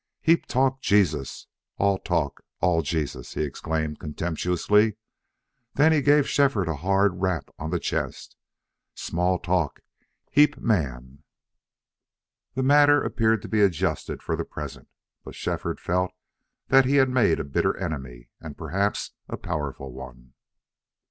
"Heap talk Jesus all talk all Jesus!" he exclaimed, contemptuously. Then he gave Shefford a hard rap on the chest. "Small talk heap man!" The matter appeared to be adjusted for the present. But Shefford felt that he had made a bitter enemy, and perhaps a powerful one.